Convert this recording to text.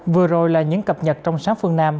vừa rồi là những cập nhật trong sáng phương nam